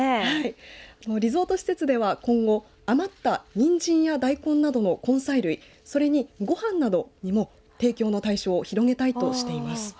リゾート施設では今後余ったにんじんや大根などの根菜類それに、ごはんなどにも提供の対象を広げたいとしています。